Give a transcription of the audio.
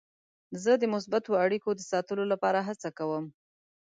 زه د مثبتو اړیکو د ساتلو لپاره هڅه کوم.